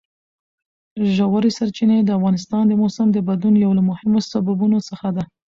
ژورې سرچینې د افغانستان د موسم د بدلون یو له مهمو سببونو څخه ده.